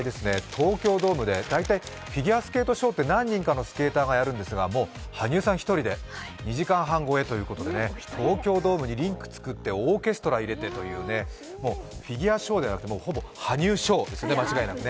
東京ドームで、大体フィギュアスケートショーって何人かのスケーターがやるんですが、羽生さん１人で２時間半超えということで、東京ドームにリンク作ってオーケストラ入れてってね、もうフィギュアショーじゃなくて羽生ショーですね。